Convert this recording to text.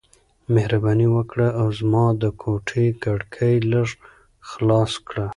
مهرباني وکړه او زما د کوټې کړکۍ لږ خلاص کړه.